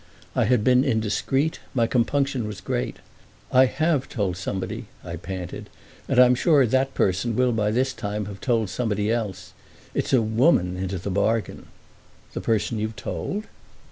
I had been indiscreet—my compunction was great. "I have told somebody," I panted, "and I'm sure that person will by this time have told somebody else! It's a woman, into the bargain." "The person you've told?"